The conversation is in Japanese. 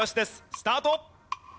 スタート！